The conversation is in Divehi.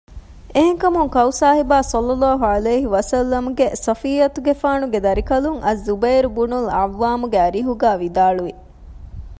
އެހެންކަމުން ކައުސާހިބާ ޞައްލަﷲ ޢަލައިހި ވަސައްލަމަގެ ޞަފިއްޔަތުގެފާނުގެ ދަރިކަލުން އައްޒުބައިރު ބުނުލް ޢައްވާމުގެ އަރިހުގައި ވިދާޅުވި